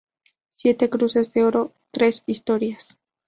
Siete cruces de oro, tres historias.